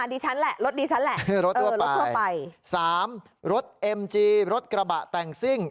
อะดีฉันแหละรถดิฉันแหละสามรถเอ็มจีรถกระบะแต่งสิ้ง